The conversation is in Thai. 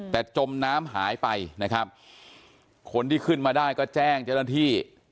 แต่จมน้ำหายไปนะครับคนที่ขึ้นมาได้ก็แจ้งเจ้าหน้าที่